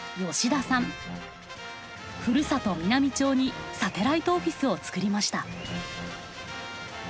ふるさと美波町にサテライトオフィスを作りました。